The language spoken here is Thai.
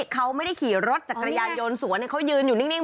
เขาไม่ได้ขี่รถจักรยายนสัตว์เนี่ยเขายืนอยู่นิ่งนิ่ง